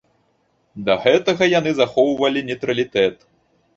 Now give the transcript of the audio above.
Да гэтага яны захоўвалі нейтралітэт.